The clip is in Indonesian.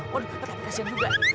waduh kasian juga